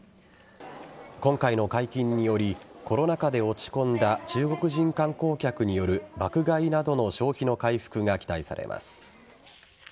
今回の解禁によりコロナ禍で落ち込んだ中国人観光客による爆買いなどの消費の回復が期待されます。